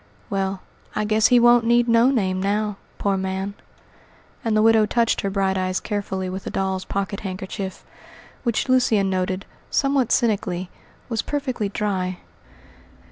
Well, I guess he won't need no name now, poor man," and the widow touched her bright eyes carefully with a doll's pocket handkerchief, which Lucian noted, somewhat cynically, was perfectly dry.